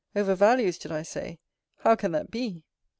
Over values, did I say! How can that be?